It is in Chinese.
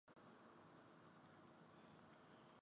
贝恩维莱尔。